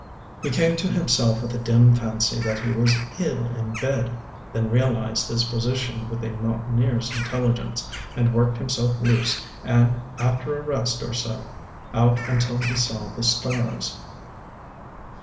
He came to himself with a dim fancy that he was ill in bed; then realized his position with a mountaineer's intelligence and worked himself loose and, after a rest or so, out until he saw the stars.